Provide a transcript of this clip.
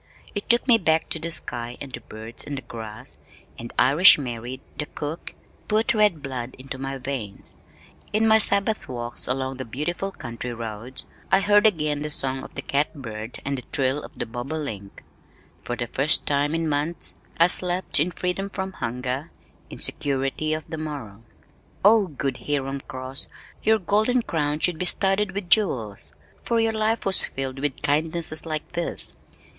It took me back to the sky and the birds and the grass and Irish Mary, the cook, put red blood into my veins. In my sabbath walks along the beautiful country roads, I heard again the song of the cat bird and the trill of the bobolink. For the first time in months I slept in freedom from hunger, in security of the morrow. Oh, good Hiram Cross, your golden crown should be studded with jewels, for your life was filled with kindnesses like this!